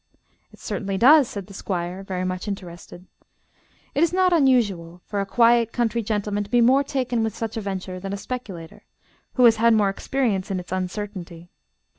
"It certainly does," said the Squire, very much interested. It is not unusual for a quiet country gentleman to be more taken with such a venture than a speculator who, has had more experience in its uncertainty.